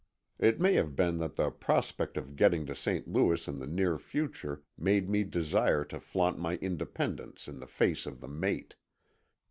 It may have been that the prospect of getting to St. Louis in the near future made me desire to flaunt my independence in the face of the mate.